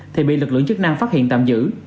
thì bị lực lượng chức năng phát hiện tạm giữ